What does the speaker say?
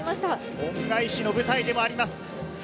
恩返しの舞台でもあります。